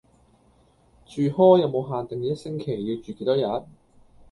住 hall 有無限定一星期要住幾多日?